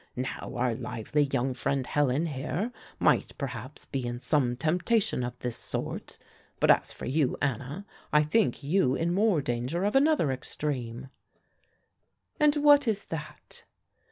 Now, our lively young friend Helen, here, might perhaps be in some temptation of this sort; but as for you, Anna, I think you in more danger of another extreme." "And what is that?"